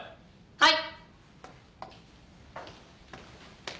はい。